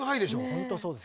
本当そうです